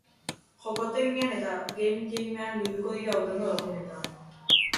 Jokoteknian eta Game Jamean bilduko dira hurrengo egunetan